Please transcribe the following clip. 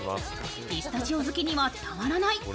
ピスタチオ好きにはたまらない